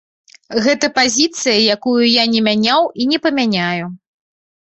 Гэта пазіцыя, якую я не мяняў і не памяняю.